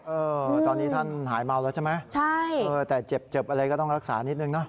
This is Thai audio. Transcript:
เออตอนนี้ท่านหายเมาแล้วใช่ไหมใช่เออแต่เจ็บเจ็บอะไรก็ต้องรักษานิดนึงนะ